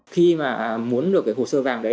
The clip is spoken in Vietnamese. khi mà muốn được cái hồ sơ vàng đấy